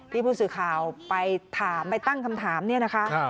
ที่ผู้สือข่าวไปตั้งคำถามนี้นะคะ